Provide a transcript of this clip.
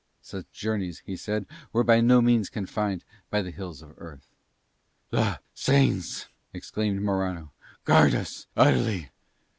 Such journeys, he said, were by no means confined by the hills of Earth. "The Saints," exclaimed Morano, "guard us utterly!"